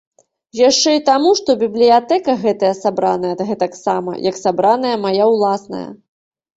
Яшчэ і таму, што бібліятэка гэтая сабраная гэтаксама, як сабраная мая ўласная.